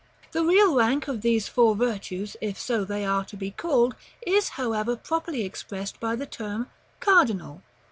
The real rank of these four virtues, if so they are to be called, is however properly expressed by the term "cardinal."